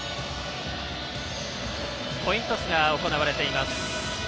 コイントスが行われています。